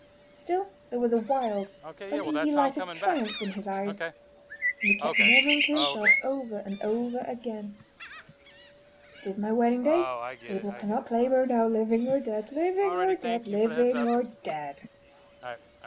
Still there was a wild, uneasy light of triumph in his eyes, and he kept murmuring to himself over and over again: "This is my wedding day! Abel cannot claim her now—living or dead!—living or dead! Living or dead!"